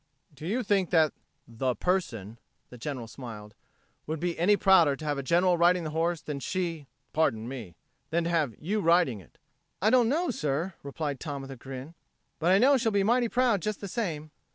"Do you think that the person" the General smiled "would be any prouder to have a General riding the horse than she pardon me! than to have you riding it?" "I don't know, sir," replied Tom, with a grin. "But I know she'll be mighty proud just the same."